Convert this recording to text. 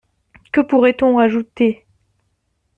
Que pourrait-on ajouter?